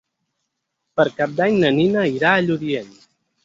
Per Cap d'Any na Nina irà a Lludient.